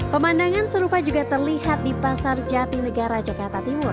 pemandangan serupa juga terlihat di pasar jakarta